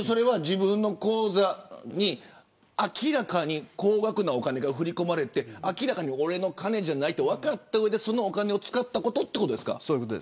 自分の口座に明らかに高額なお金が振り込まれて明らかに俺の金じゃないと分かった上でそのお金を使ったことそういうことです。